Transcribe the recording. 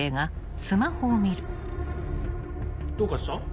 どうかした？